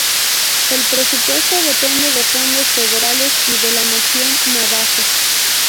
El presupuesto depende de fondos federales y de la Nación Navajo.